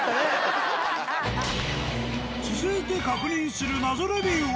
続いて確認する謎レビューは。